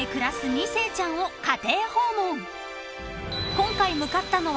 ［今回向かったのは］